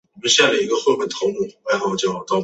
池东派一大流为苏里斯提克河。